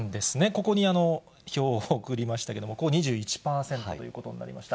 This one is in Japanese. ここに表を送りましたけれども、この２１％いるということになりました。